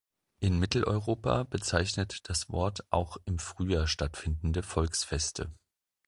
In Mitteleuropa bezeichnet das Wort auch im Frühjahr stattfindende Volksfeste.